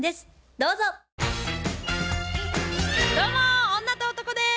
どうも女と男です。